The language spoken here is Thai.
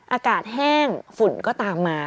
อากาศแห้งฝุ่นก็ตามมา